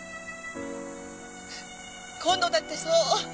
今度だってそう。